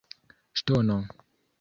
ŝtono